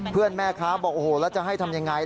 เพื่อนแม่คร้าบอกจะให้ทำอย่างไร